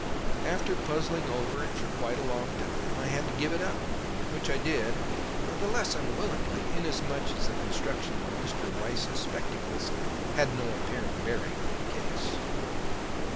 After puzzling over it for quite a long time, I had to give it up; which I did the less unwillingly inasmuch as the construction of Mr. Weiss's spectacles had no apparent bearing on the case.